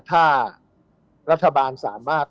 ถ้ารัฐบาลสามารถ